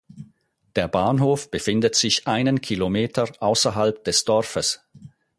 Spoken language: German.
Der Bahnhof befindet sich einen Kilometer außerhalb des Dorfes.